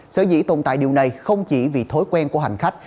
sở dĩ tồn tại điều này không chỉ vì thói quen của hành khách